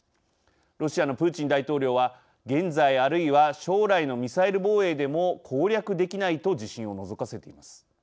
ロシアのプーチン大統領は「現在、あるいは将来のミサイル防衛でも攻略できない」と自信をのぞかせています。